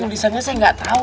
tulisannya saya gak tau